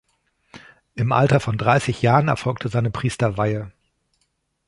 Im Alter von dreißig Jahren erfolgte seine Priesterweihe.